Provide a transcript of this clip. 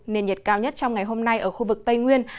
nền nhiệt cao nhất trong ngày hôm nay ở khu vực tây nguyên